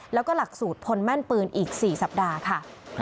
แล้วก็หลักสูตรพลแม่นปืนอีก๔สัปดาห์ค่ะ